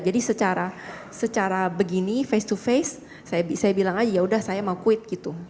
jadi secara begini face to face saya bilang saja ya sudah saya mau quit gitu